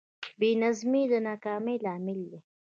بېنظمي د ناکامۍ لامل دی.